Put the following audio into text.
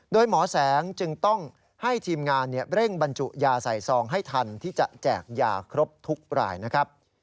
โดยหมอแสงจึงต้องให้ทีมงานเร่งบรรจุยาใส่ซองให้ทันที่จะแจกยาครบทุกรายนะครับ